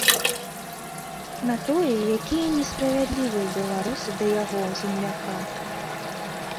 На тое, якія несправядлівыя беларусы да яго, земляка.